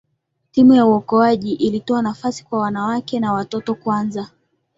timu ya uokoaji ilitoa nafasi kwa wanawake na watoto kwanza